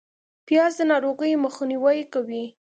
پیاز د ناروغیو مخنیوی کوي